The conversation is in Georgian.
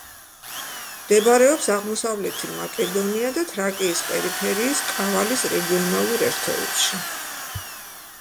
მდებარეობს აღმოსავლეთი მაკედონია და თრაკიის პერიფერიის კავალის რეგიონალურ ერთეულში.